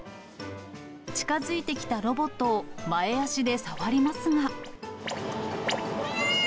近づいてきたロボットを、前足で触りますが。